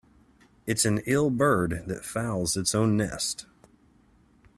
It's an ill bird that fouls its own nest.